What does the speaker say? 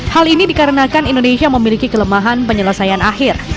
hal ini dikarenakan indonesia memiliki kelemahan penyelesaian akhir